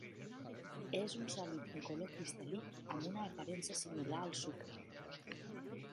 És un sòlid incolor cristal·lí amb una aparença similar al sucre.